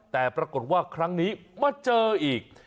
แต่ปรากฏว่าครั้งนี้มาเจออีก